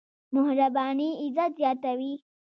مهرباني عزت زياتوي.